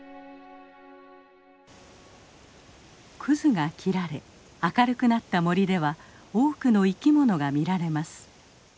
クズが切られ明るくなった森では多くの生き物が見られます。